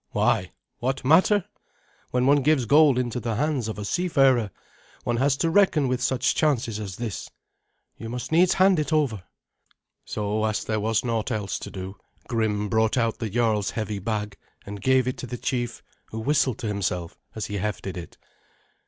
"Why, what matter? When one gives gold into the hands of a seafarer, one has to reckon with such chances as this. You must needs hand it over." So, as there was naught else to do, Grim brought out the jarl's heavy bag, and gave it to the chief, who whistled to himself as he hefted it.